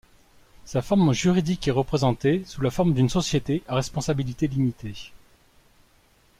Sa forme juridique est représentée sous la forme d'une société à responsabilité limitée.